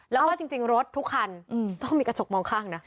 แล้วก็จริงรถทุกคันต้องมีกระจกมองข้างนะ